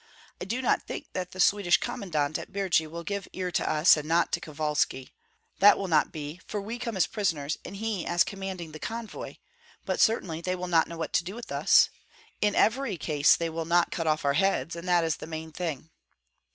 I do not think that the Swedish commandant at Birji will give ear to us, and not to Kovalski. That will not be, for we come as prisoners, and he as commanding the convoy. But certainly they will not know what to do with us. In every case they will not cut off our heads, and that is the main thing."